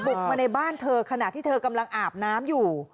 กมาในบ้านเธอขณะที่เธอกำลังอาบน้ำอยู่